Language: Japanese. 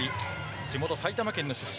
地元・埼玉県出身。